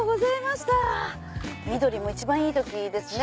緑も一番いい時ですね。